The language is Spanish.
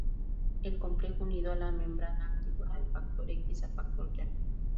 El complejo unido a la membrana activa el factor X a factor Xa.